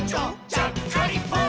ちゃっかりポン！」